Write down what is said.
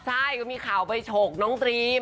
ใช่ก็มีข่าวไปฉกน้องตรีม